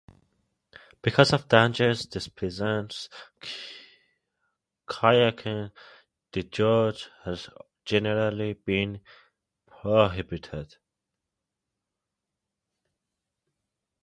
Because of the dangers this presents, kayaking the gorge has generally been prohibited.